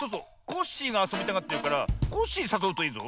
コッシーがあそびたがってるからコッシーさそうといいぞ。